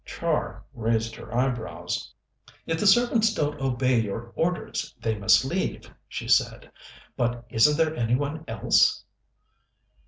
Char raised her eyebrows. "If the servants don't obey your orders they must leave," she said. "But isn't there any one else?"